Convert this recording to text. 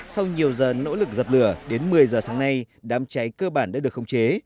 sau nhiều giờ nỗ lực dập lửa đến một mươi giờ sáng nay đám cháy cơ bản đã được khống chế